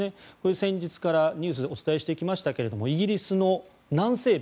先日からニュースでお伝えしてきましたがイギリスの南西部